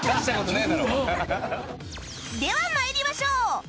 では参りましょう